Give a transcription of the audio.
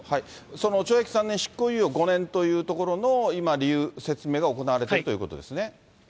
その懲役３年執行猶予５年というところの今、理由、説明が行われているということですね。